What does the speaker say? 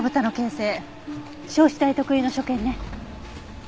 焼死体特有の所見ね。